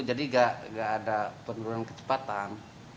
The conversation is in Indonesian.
jadi gak ada penurunan kecepatan